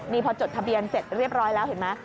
นี่พอจดทะเบียนเสร็จเรียบร้อยแล้วเห็นไหม